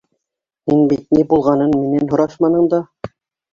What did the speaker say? Һин бит ни булғанлығын минән һорашманың да!..